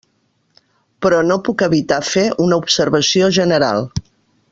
Però no puc evitar de fer una observació general.